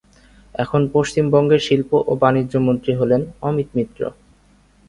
এখন পশ্চিমবঙ্গের শিল্প ও বাণিজ্য মন্ত্রী হলেন অমিত মিত্র।